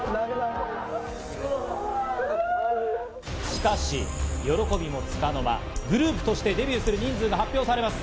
しかし、喜びもつかの間、グループとしてデビューする人数が発表されます。